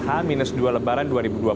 h dua lebaran dua ribu dua puluh